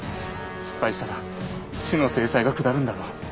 失敗したら死の制裁が下るんだろ？